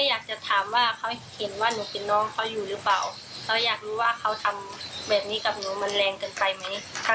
แล้วอยากรู้ว่าเขาทำแบบนี้กับหนูมันแรงเกินไปไหม